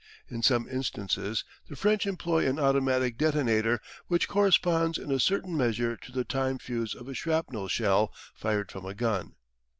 In some instances the French employ an automatic detonator which corresponds in a certain measure to the time fuse of a shrapnel shell fired from a gun.